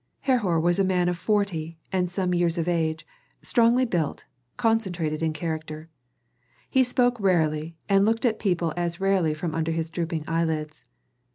Herhor was a man of forty and some years of age, strongly built, concentrated in character. He spoke rarely, and looked at people as rarely from under his drooping eyelids.